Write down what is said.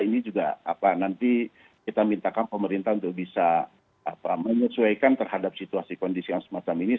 ini juga nanti kita mintakan pemerintah untuk bisa menyesuaikan terhadap situasi kondisi yang semacam ini